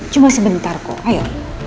cuma sebentar kok ayo